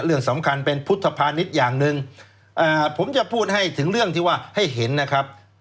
เรื่องสำคัญเป็นพุทธภานิษฐ์อย่างหนึ่งผมจะพูดให้ถึงเรื่องที่ว่าให้เห็นนะครับ